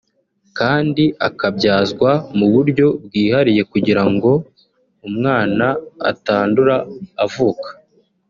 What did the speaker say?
kandi akabyazwa mu buryo bwihariye kugira ngo umwana atandura avuka